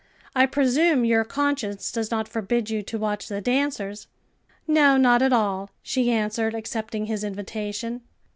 I presume your conscience does not forbid you to watch the dancers?" "No, not at all," she answered, accepting his invitation.